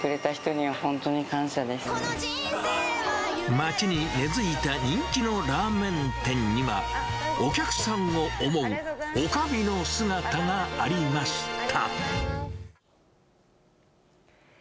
街に根づいた人気のラーメン店には、お客さんを思うおかみの姿がありました。